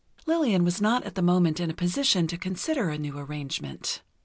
Lillian was not at the moment in a position to consider a new arrangement.